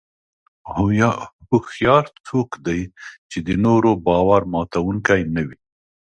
هوښیار څوک دی چې د نورو باور ماتوونکي نه وي.